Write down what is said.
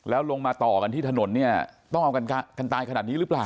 แล้วลงมาต่อกันที่ถนนเนี่ยต้องเอากันตายขนาดนี้หรือเปล่า